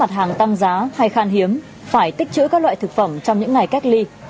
mặt hàng tăng giá hay khan hiếm phải tích trữ các loại thực phẩm trong những ngày cách ly